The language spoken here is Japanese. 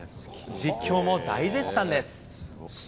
実況も大絶賛です。